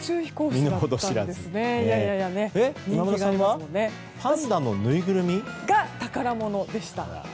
今村さんはパンダのぬいぐるみ？が、宝物でした。